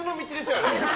あれ。